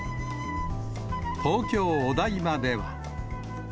東京・お台場では。